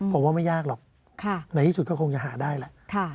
ผมว่าไม่ยากหรอกในที่สุดก็คงจะหาได้แหละ